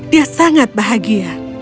dia sangat bahagia